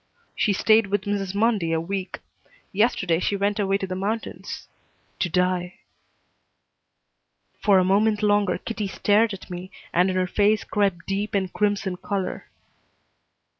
"She stayed with Mrs. Mundy a week. Yesterday she went away to the mountains to die." For a moment longer Kitty stared at me, and in her face crept deep and crimson color.